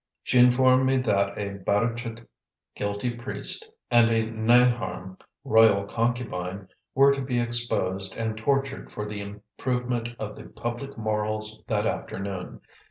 She informed me that a Bâdachit (guilty priest) and a Nangharm (royal concubine) were to be exposed and tortured for the improvement of the public morals that afternoon.